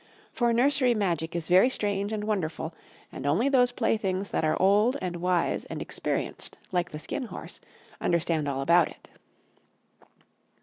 For nursery magic is very strange and wonderful, and only those playthings that are old and wise and experienced like the Skin Horse understand all about it.